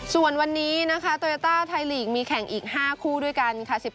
ส่วนวันนี้นะคะโตยาต้าไทยลีกมีแข่งอีก๕คู่ด้วยกันค่ะ